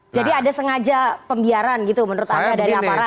jadi ada sengaja pembiaran gitu menurut anda dari aparat